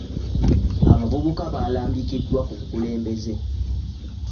Abavubuka baalambikiddwa ku bukulembeze.